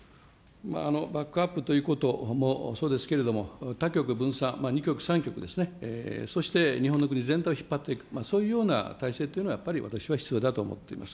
バックアップということもそうですけれども、多極分散、二極、三極ですね、そして日本の国全体を引っ張っていく、そういうような体制というのは、やっぱり私は必要だと思っています。